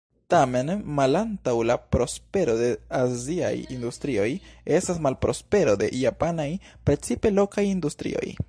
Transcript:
Tamen malantaŭ la prospero de aziaj industrioj estas malprospero de japanaj, precipe lokaj industrioj.